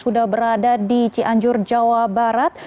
sudah berada di cianjur jawa barat